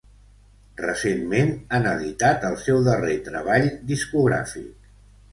Recentment han editat el seu darrer treball discogràfic.